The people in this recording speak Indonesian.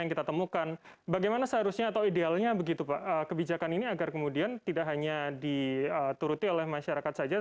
yang kita temukan bagaimana seharusnya atau idealnya begitu pak kebijakan ini agar kemudian tidak hanya dituruti oleh masyarakat saja